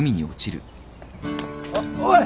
あっおい！